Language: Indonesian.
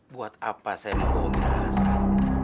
buat apa saya menggonggol nah san